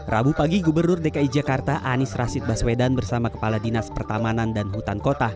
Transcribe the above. rabu pagi gubernur dki jakarta anies rashid baswedan bersama kepala dinas pertamanan dan hutan kota